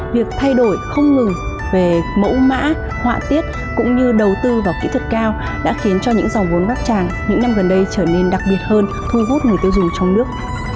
việc thay đổi không ngừng về mẫu mã họa tiết cũng như đầu tư vào kỹ thuật cao đã khiến cho những dòng vốn bát tràng những năm gần đây trở nên đặc biệt hơn thu hút người tiêu dùng trong nước